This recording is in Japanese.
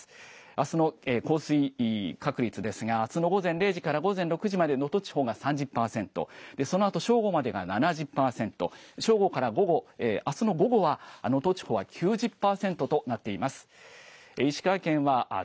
あすの降水確率ですがあすの午前０時から午前６時まで能登地方が３０％、そのあと正午までが７０％、正午からあすの午後は能登地方は９０％となっています。